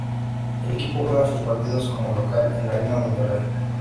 El equipo juega sus partidos como local en la Arena Monterrey.